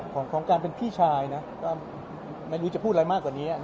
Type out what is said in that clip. ของการเป็นพี่ชายนะก็ไม่รู้จะพูดอะไรมากกว่านี้